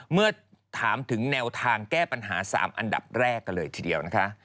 เมื่อถามถึงแนวทางแก้ปัญหา๓อันดับแรกกันเลยทีเดียวนะคะ